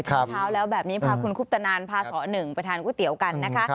เช้าแล้วแบบนี้พาคุณคุปตนานพาสอหนึ่งไปทานก๋วยเตี๋ยวกันนะคะ